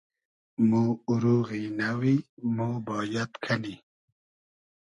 مۉ اوروغی نئوی مۉ بایئد کئنی